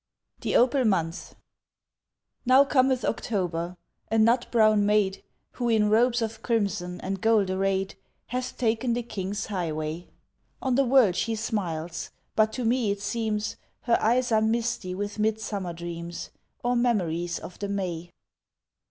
THE OPAL MONTH Now cometh October a nut brown maid, Who in robes of crimson and gold arrayed Hath taken the king's highway! On the world she smiles but to me it seems Her eyes are misty with mid summer dreams, Or memories of the May.